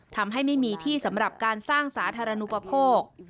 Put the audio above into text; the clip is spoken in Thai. ทำให้ไม่มีที่สำหรับการสร้างสาธารณูปโภค